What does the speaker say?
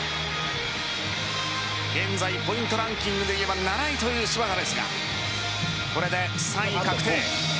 現在、ポイントランキングで言えば７位という芝田ですがこれで３位確定。